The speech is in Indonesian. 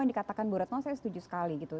yang dikatakan bu retno saya setuju sekali gitu